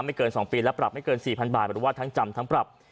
เกิน๒ปีและปรับไม่เกิน๔๐๐บาทหรือว่าทั้งจำทั้งปรับ